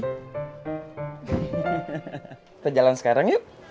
kita jalan sekarang yuk